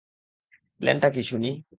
প্ল্যানটা কী শুনি?